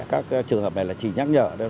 các trường hợp này là chỉ nhắc nhở